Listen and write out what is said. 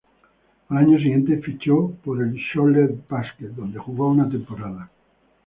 Al año siguiente fichó por el Cholet Basket, donde jugó una temporada.